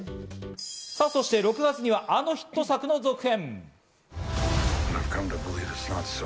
さぁ、そして６月にはあのヒット作の続編！